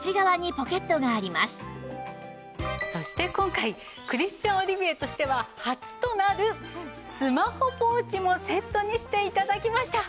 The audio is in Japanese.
そして今回クリスチャン・オリビエとしては初となるスマホポーチもセットにして頂きました。